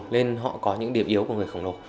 nên họ có những điểm yếu của người khổng lồ